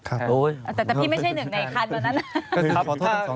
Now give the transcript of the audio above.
แต่พี่ไม่ใช่อยู่๑ในครรภ์เวลานั้น